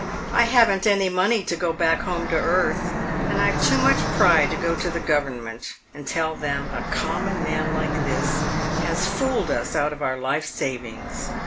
"I haven't any money to go back home to Earth and I've too much pride to go to the Government and tell them a common man like this has fooled us out of our life's savings.